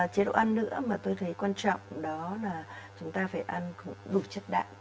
chế độ ăn nữa mà tôi thấy quan trọng đó là chúng ta phải ăn đủ chất đạm